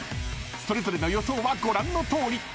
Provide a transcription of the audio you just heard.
［それぞれの予想はご覧のとおり］